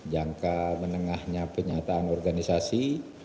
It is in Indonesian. jangka menengahnya penyataan organisasi